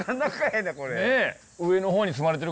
これ。